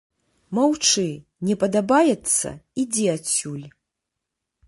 Маўчы, не падабаецца ідзі адсюль.